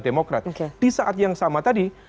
demokrat di saat yang sama tadi